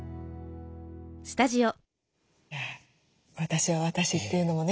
「私は私」っていうのもね